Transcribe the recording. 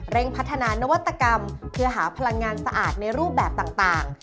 พัฒนานวัตกรรมเพื่อหาพลังงานสะอาดในรูปแบบต่าง